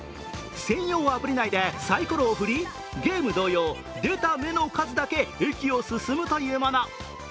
専用アプリ内で、さいころを振り、ゲーム同様、出た目の数だけ駅を進むというもの。